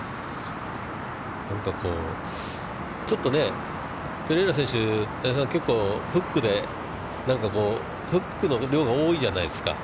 何かこう、ちょっとね、ペレイラ選手、田島さん、フックで、フックの量が多いじゃないですか。